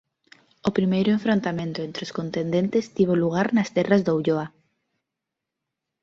O primeiro enfrontamento entre os contendentes tivo lugar nas terras da Ulloa.